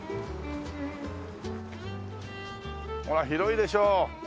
ほら広いでしょう。